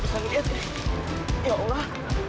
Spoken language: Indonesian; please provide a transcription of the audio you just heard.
kalau tidak ini bagaimana